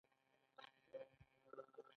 غفلت بد دی.